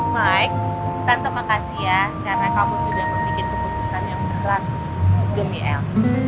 mic tante makasih ya karena kamu sudah membuat keputusan yang berhak untuk demi el